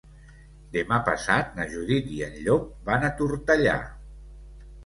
Demà passat na Judit i en Llop van a Tortellà.